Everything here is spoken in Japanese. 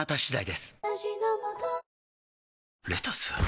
レタス！？